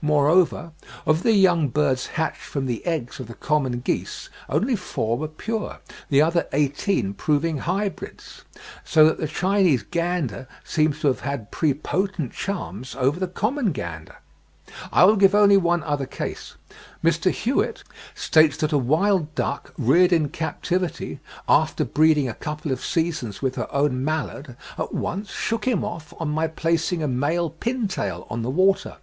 Moreover, of the young birds hatched from the eggs of the common geese, only four were pure, the other eighteen proving hybrids; so that the Chinese gander seems to have had prepotent charms over the common gander. I will give only one other case; Mr. Hewitt states that a wild duck, reared in captivity, "after breeding a couple of seasons with her own mallard, at once shook him off on my placing a male Pintail on the water.